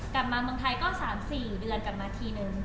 กลับมาเมืองไทยก็๓๔เดือนกลับมาทีนึง